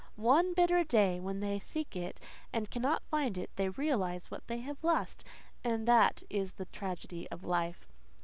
One bitter day, when they seek it and cannot find it, they realize what they have lost; and that is the tragedy of life.